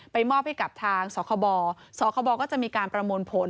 มอบให้กับทางสคบสคบก็จะมีการประมวลผล